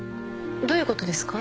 どういうことですか？